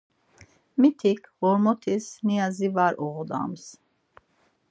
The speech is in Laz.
Mitik ğormotis niazi var oğodams.